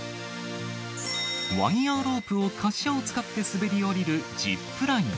ワイヤーロープを滑車を使って滑り降りるジップライン。